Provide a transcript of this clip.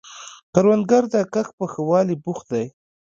کروندګر د کښت په ښه والي بوخت دی